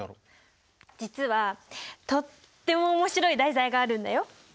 実はとっても面白い題材があるんだよ。